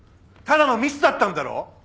ただのミスだったんだろ？